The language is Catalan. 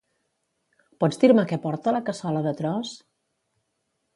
Pots dir-me què porta la cassola de tros?